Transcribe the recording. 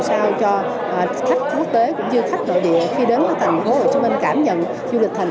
sao cho khách quốc tế cũng như khách nội địa khi đến thành phố hồ chí minh cảm nhận du lịch thành